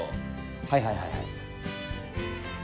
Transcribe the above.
はいはいはいはい。